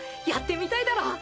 やってみたいだろ！